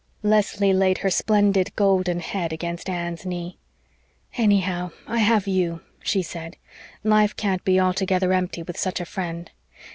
Leslie laid her splendid golden head against Anne's knee. "Anyhow, I have YOU," she said. "Life can't be altogether empty with such a friend.